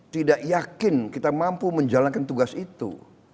tidak yakin kita mampu menjalankan tugas itu